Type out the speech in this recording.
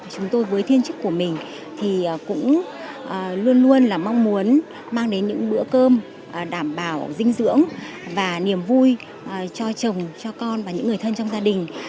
chúng tôi với thiên chức của mình thì cũng luôn luôn là mong muốn mang đến những bữa cơm đảm bảo dinh dưỡng và niềm vui cho chồng cho con và những người thân trong gia đình